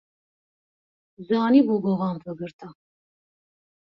Zanîbû govend bigirta.